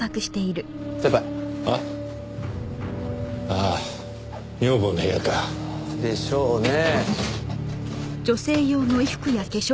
ああ女房の部屋か。でしょうね。